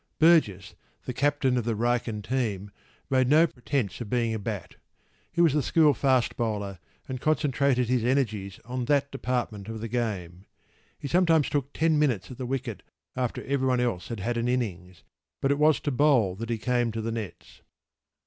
p> Burgess, the captain of the Wrykyn team, made no pretence of being a bat.  He was the school fast bowler and concentrated his energies on that department of the game.  He sometimes took ten minutes at the wicket after everybody else had had an innings, but it was to bowl that he came to the nets.